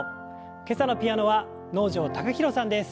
今朝のピアノは能條貴大さんです。